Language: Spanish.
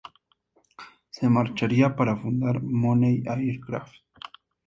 Se marcharía para fundar Mooney Aircraft.